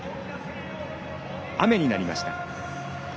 雨になりました。